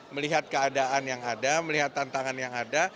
melihat keadaan yang ada melihat tantangan yang ada